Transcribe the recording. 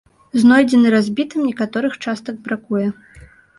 Знойдзены разбітым, некаторых частак бракуе.